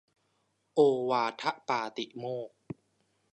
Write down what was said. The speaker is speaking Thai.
โอวาทปาติโมกข์